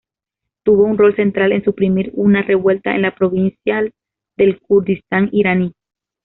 Tuvo un rol central en suprimir una revuelta en la provincial del Kurdistán iraní.